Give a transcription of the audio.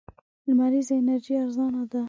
لمريزه انرژي ارزانه ده.